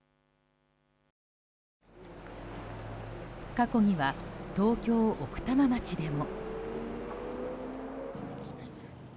過去には東京・奥多摩町でも。